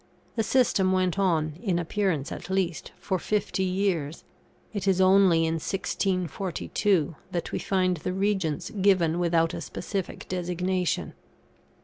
The system went on, in appearance at least, for fifty years; it is only in 1642, that we find the Regents given without a specific designation.